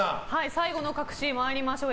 最後の隠し参りましょう。